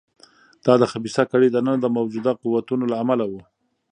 دا د خبیثه کړۍ دننه د موجوده قوتونو له امله و.